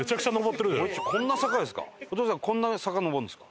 こんな坂ですか？